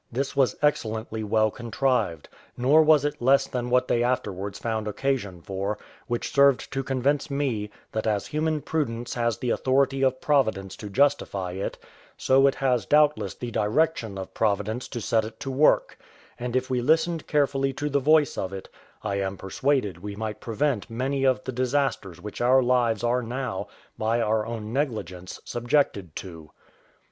This was excellently well contrived: nor was it less than what they afterwards found occasion for, which served to convince me, that as human prudence has the authority of Providence to justify it, so it has doubtless the direction of Providence to set it to work; and if we listened carefully to the voice of it, I am persuaded we might prevent many of the disasters which our lives are now, by our own negligence, subjected to.